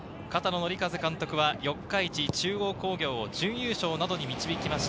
典和監督は四日市中央工業を準優勝などに導きました